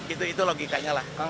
itu itu logikanya lah